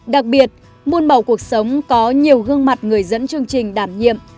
đặc biệt muôn màu cuộc sống có nhiều gương mặt người dẫn chương trình đảm nhiệm